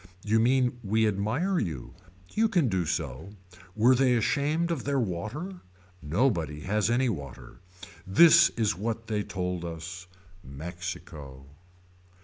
You mean we admire you. You can do so. Were they ashamed of their water. Nobody has any water. This is what they told us. Mexico.